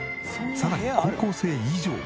さらに高校生以上は。